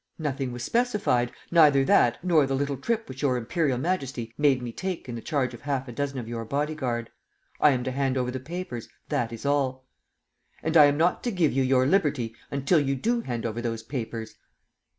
"Nothing was specified, neither that nor the little trip which Your Imperial Majesty made me take in the charge of half a dozen of your body guard. I am to hand over the papers, that is all." "And I am not to give you your liberty until you do hand over those papers."